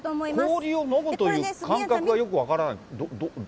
氷を飲むという感覚がよく分からない。